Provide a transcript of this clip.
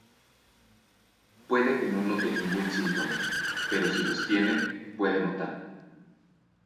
Puede que no note ningún síntoma, pero si los tiene, puede notar:•